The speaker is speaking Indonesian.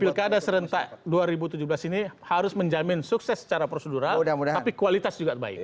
pilkada serentak dua ribu tujuh belas ini harus menjamin sukses secara prosedural tapi kualitas juga baik